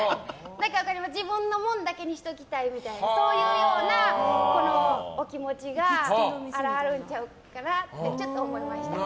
自分のものだけにしておきたいみたいなお気持ちがあるんちゃうかなって思いました。